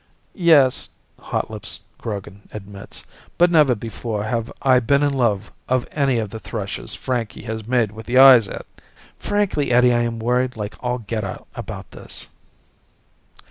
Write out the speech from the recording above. "Yes," Hotlips Grogan admits, "but never before have I been in love of any of the thrushes Frankie has made with the eyes at. Frankly, Eddie, I am worried like all get out about this."